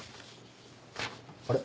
あれ？